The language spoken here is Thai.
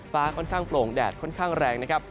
ฟ้าค่อนข้างโปร่งแดดค่อนข้างแรงนะครับ